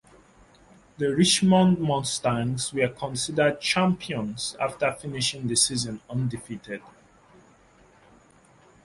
The Richmond Mustangs were considered "Champions" after finishing the season undefeated.